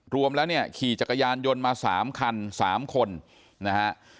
รวมแล้วเนี่ยขี่จักรยานยนต์มา๓คัน๓คนนะฮะ